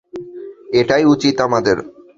এটাই উচিত আমাদের।